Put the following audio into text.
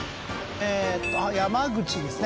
えっと山口ですね